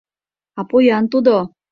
— А поян тудо!